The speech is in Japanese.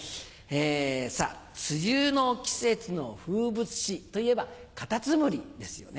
さぁ梅雨の季節の風物詩といえば「かたつむり」ですよね。